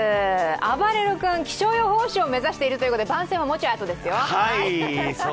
あばれる君、気象予報士を目指しているということで番宣はもちろんあとですよ。